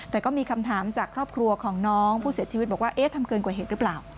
แต่ก็มีคำถามจากครอบครัวของน้องผู้เสียชีวิตบอกว่าเอ๊ะทำเกินกว่าเหตุหรือเปล่า